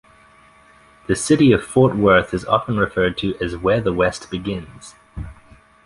The city of Fort Worth is often referred to as Where the West Begins.